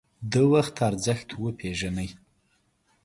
د وخت ارزښت وپیژنئ